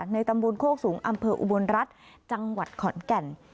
ในตำบูรณ์โฆขสูงอำเภาอุบลรัตน์จังหวัดขอนกรรม